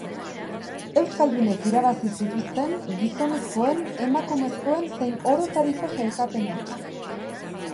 Euskaldunek irabazi zituzten gizonezkoen, emakumezkoen zein orotariko sailkapena.